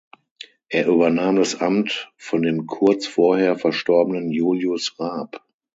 Er übernahm das Amt von dem kurz vorher verstorbenen Julius Raab.